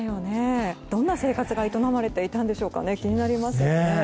どんな生活が営まれていたのでしょうか気になりますね。